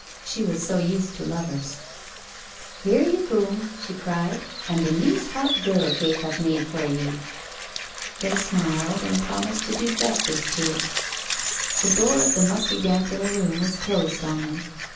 She was so used to lovers. ' Here ye coom !' she cried. ' And a neece hot girdle cake I've made for ye !' They smiled and promised to do justice to it. The door of the musty damp little room was closed on them.